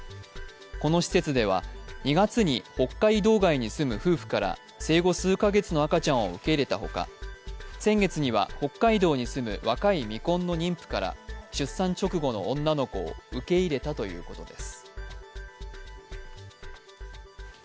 この施設では、２月に北海道外に住む夫婦から、生後数か月の赤ちゃんを受け入れたほか、先月には北海道に住む若い未婚の妊婦から出産直後の女の子を受け入れたということです。